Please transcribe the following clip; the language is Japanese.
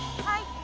はい。